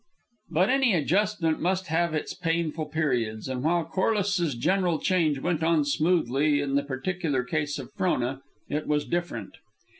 But any adjustment must have its painful periods, and while Corliss's general change went on smoothly, in the particular case of Frona it was different.